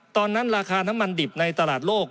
ตอนนั้นราคาน้ำมันดิบในตลาดโลก